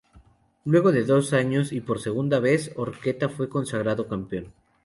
Luego de dos años, y por segunda vez, Horqueta fue consagrado campeón.